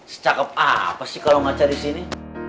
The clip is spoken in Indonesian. secakep apa sih kalau ngaca di sini